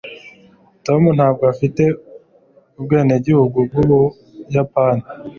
tom ntabwo afite ubwenegihugu bw'ubuyapani